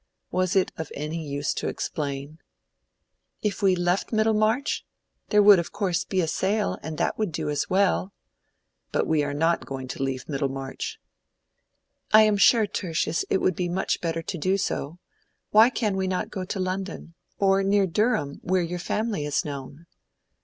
Was it of any use to explain? "If we left Middlemarch? there would of course be a sale, and that would do as well." "But we are not going to leave Middlemarch." "I am sure, Tertius, it would be much better to do so. Why can we not go to London? Or near Durham, where your family is known?"